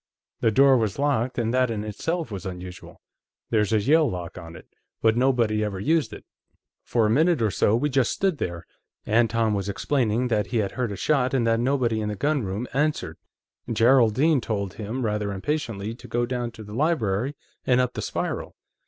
The door was locked, and that in itself was unusual; there's a Yale lock on it, but nobody ever used it. "For a minute or so, we just stood there. Anton was explaining that he had heard a shot and that nobody in the gunroom answered. Geraldine told him, rather impatiently, to go down to the library and up the spiral.